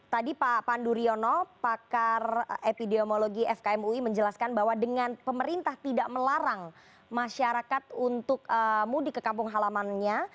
tadi pak pandu riono pakar epidemiologi fkm ui menjelaskan bahwa dengan pemerintah tidak melarang masyarakat untuk mudik ke kampung halamannya